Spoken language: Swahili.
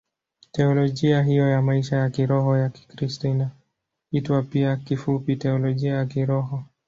Teolojia hiyo ya maisha ya kiroho ya Kikristo inaitwa pia kifupi Teolojia ya Kiroho.